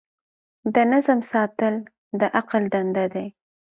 د نظم ساتل د عقل دنده ده.